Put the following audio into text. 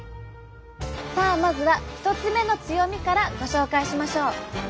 さあまずは１つ目の強みからご紹介しましょう。